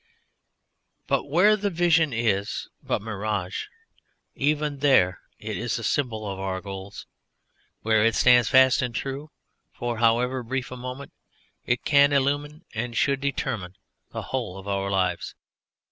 Where the vision is but mirage, even there it is a symbol of our goal; where it stands fast and true, for however brief a moment, it can illumine, and should determine the whole of our lives.